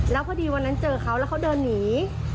แล้วพอดีวันนั้นเจอเขาแล้วเขาเดินหนี